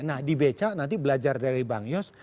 nah di becak nanti belajar dari bang yos